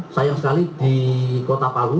sayang sekali di kota palu